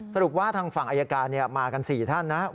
สรุปว่าทางฝั่งอายการมากัน๔ท่านนะครับ